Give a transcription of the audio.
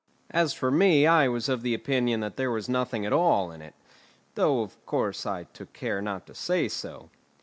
As for me, I was of opinion that there was nothing at all, in it; though, of course, I took care not to say so.